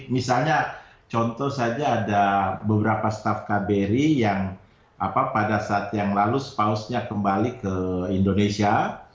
misalnya contoh saja ada beberapa staf kbr yang pada saat yang lalu spouse nya kembali ke indonesia